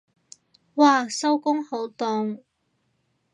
嘩收工好凍